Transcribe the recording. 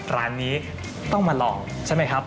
ร้านนี้ต้องมาลองใช่ไหมครับ